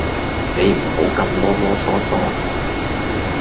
你唔好咁囉囉嗦嗦